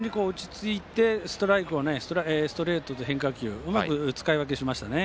１回とは違って非常に落ち着いてストレートと変化球をうまく使い分けましたね。